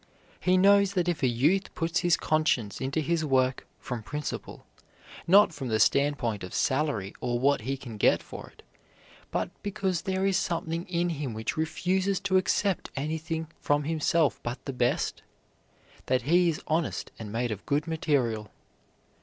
He knows that if a youth puts his conscience into his work from principle, not from the standpoint of salary or what he can get for it, but because there is something in him which refuses to accept anything from himself but the best, that he is honest and made of good material.